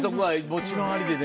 もちろんありでね。